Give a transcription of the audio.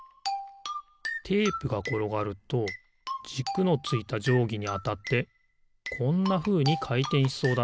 テープがころがるとじくのついたじょうぎにあたってこんなふうにかいてんしそうだな。